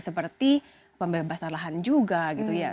jadi pembebasan lahan juga gitu ya